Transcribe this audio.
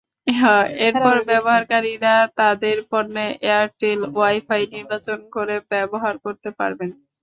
এরপর ব্যবহারকারীরা তাঁদের পণ্যে এয়ারটেল ওয়াই-ফাই নির্বাচন করে ব্যবহার করতে পারবেন।